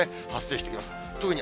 発生してきます。